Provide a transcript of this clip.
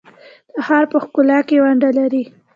د ښار په ښکلا کې ونډه لري؟